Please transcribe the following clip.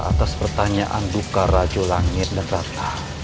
atas pertanyaan duka rajo langit dan ratna